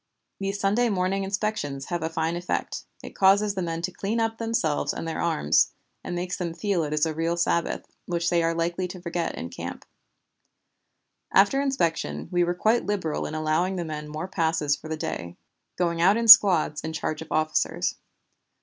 These Sunday morning inspections have a fine effect, it causes the men to clean up themselves and their arms, and makes them feel it is a real Sabbath, which they are likely to forget in camp. "After inspection we were quite liberal in allowing the men more passes for the day, going out in squads in charge of officers.